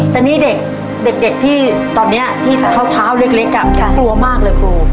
ในนี้เด็กที่เขาเกาเล็กกว้างครูปลงมากเลยครับ